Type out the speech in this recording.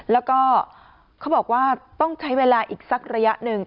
แล้วก็เขาบอกว่าต้องใช้เวลาอีกสักระยะหนึ่ง